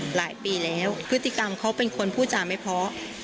หลายปีแล้วพฤติกรรมเขาเป็นคนพูดจาไม่เพาะ